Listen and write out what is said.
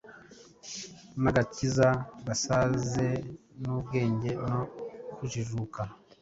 n’agakiza gasaze n’ubwenge no kujijuka;